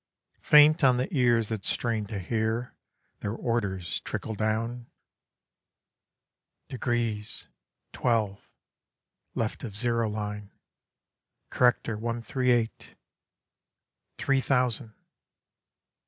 Faint on the ears that strain to hear, their orders trickle down "Degrees twelve left of zero line corrector one three eight Three thousand."